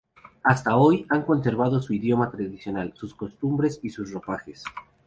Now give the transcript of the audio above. Hasta hoy, han conservado su idioma tradicional, sus costumbres y sus ropajes.